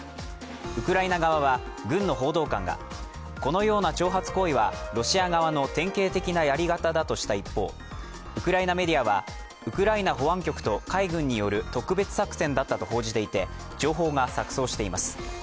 ウクライナ側は軍の報道官がこのような挑発行為はロシア側の典型的なやり方だとした一方、ウクライナメディアは、ウクライナ保安局と海軍による特別作戦だったと報じていて情報が錯綜しています。